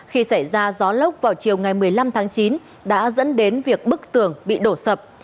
khi xảy ra gió lốc vào chiều ngày một mươi năm tháng chín đã dẫn đến việc bức tường bị đổ sập